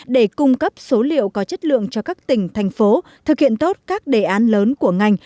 để cung cấp số liệu có chất lượng cho các tỉnh thành phố thực hiện tốt các đề án lớn của ngành